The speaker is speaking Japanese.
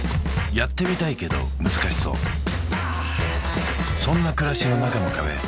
やってみたいけど難しそうそんな暮らしの中の壁